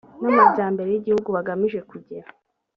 n amajyambere y igihugu bagamije kugera